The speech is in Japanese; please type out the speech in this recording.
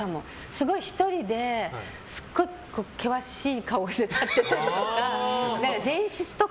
すごい１人ですっごく険しい顔をしてたりとか。